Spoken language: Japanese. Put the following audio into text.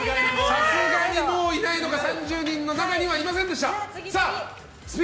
さすがに、もういないのか３０人の中にはいませんでした。